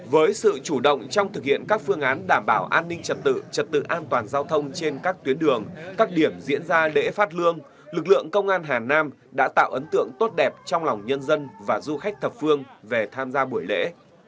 với sự chủ động trong thực hiện các phương án đảm bảo an ninh trật tự trật tự an toàn giao thông trên các tuyến đường các điểm diễn ra lễ phát lương lực lượng công an hà nam đã tạo ấn tượng tốt đẹp trong lòng nhân dân và du khách thập phương về tham gia buổi lễ